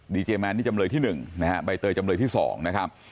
ดีเจแมนนี่จำเลยที่๑นะฮะใบเตยจำเลยที่๒นะครับ